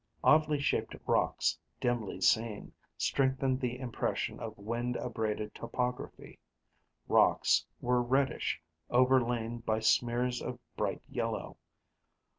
Oddly shaped rocks, dimly seen, strengthened the impression of wind abraded topography. Rocks were reddish, overlain by smears of bright yellow.